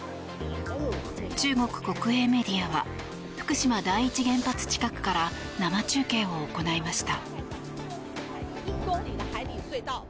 中国国営メディアは福島第一原発近くから生中継を行いました。